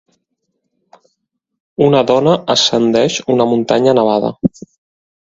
Una dona ascendeix una muntanya nevada.